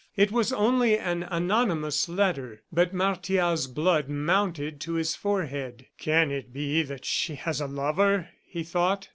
It was only an anonymous letter, but Martial's blood mounted to his forehead. "Can it be that she has a lover?" he thought.